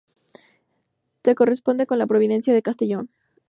Se corresponde con la provincia de Castellón.